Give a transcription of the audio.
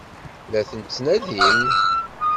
La ten-tettnadim?